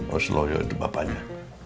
oslo yuk itu bapaknya